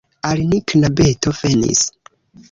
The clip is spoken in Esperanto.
Al ni knabeto venis!